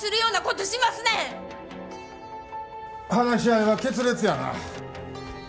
話し合いは決裂やな。